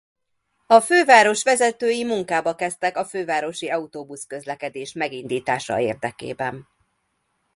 A főváros vezetői munkába kezdtek a fővárosi autóbusz-közlekedés megindítása érdekében.